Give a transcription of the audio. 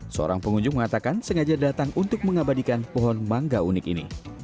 seorang pengunjung mengatakan sengaja datang untuk mengabadikan pohon mangga unik ini